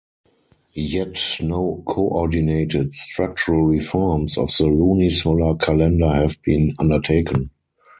Yet no coordinated structural reforms of the lunisolar calendar have been undertaken.